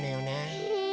へえ。